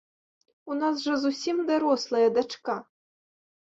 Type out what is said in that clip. У нас жа зусім дарослая дачка.